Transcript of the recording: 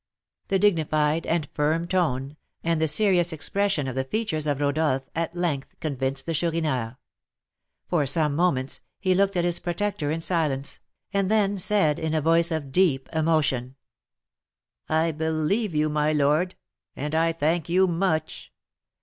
The dignified and firm tone, and the serious expression of the features of Rodolph, at length convinced the Chourineur. For some moments he looked at his protector in silence, and then said, in a voice of deep emotion: "I believe you, my lord, and I thank you much.